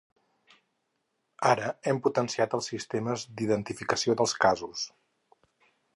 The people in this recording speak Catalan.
Ara hem potenciat els sistemes d’identificació dels casos.